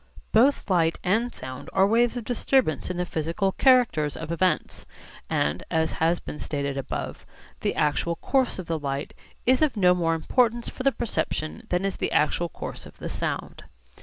Both light and sound are waves of disturbance in the physical characters of events; and (as has been stated above, p. 188) the actual course of the light is of no more importance for perception than is the actual course of the sound.